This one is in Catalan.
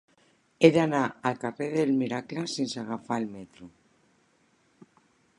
He d'anar al carrer del Miracle sense agafar el metro.